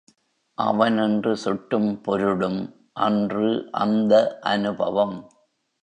அவன் என்று சுட்டும் பொருளும் அன்று அந்த அநுபவம்.